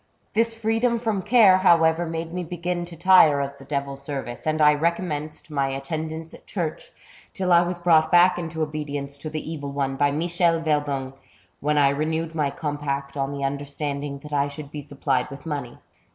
" This freedom from care, however, made me begin to tire of the devil's service, and I recommenced my attendance at church, till I was brought back into obedience to the evil one by Michel Verdung, when I renewed my compact on the understanding that I should be supplied with money.